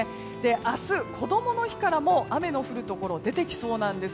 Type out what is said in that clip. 明日、こどもの日からも雨の降るところ出てきそうなんです。